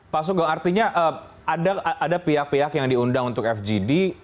pak sugeng artinya ada pihak pihak yang diundang untuk fgd